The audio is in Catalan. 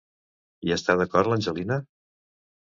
Hi està d'acord l'Angelina?